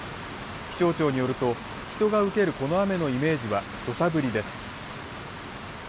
気象庁によると、人が受けるこの雨のイメージはどしゃ降りです。